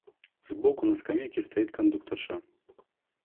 Сбоку на скамейке стоит кондукторша.